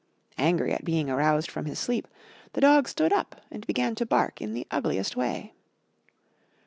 Angry at being aroused from his sleep, the Dog stood up and began to bark in the ugliest way.